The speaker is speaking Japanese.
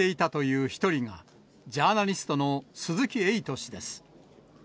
ＮＧリスト入りしていたという１人が、ジャーナリストの鈴木エイト氏です。